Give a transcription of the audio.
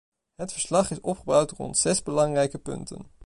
Het verslag is opgebouwd rond zes belangrijke punten.